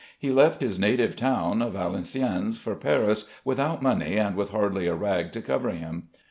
He left his native town, Valenciennes, for Paris without money and with hardly a rag to cover him.